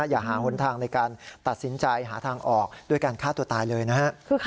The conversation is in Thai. อย่าหาหนทางในการตัดสินใจหาทางออกด้วยการฆ่าตัวตายเลยนะฮะ